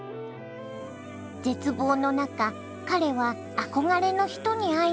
絶望の中彼は憧れの人に会いに行きます。